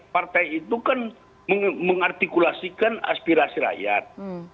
partai itu kan mengartikulasikan aspirasi rakyat